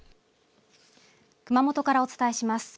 熊本からお伝えします。